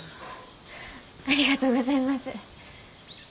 ありがとうございます。